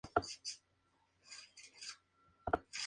Dale terminó su último año y se gradúo de Washington Senior High School.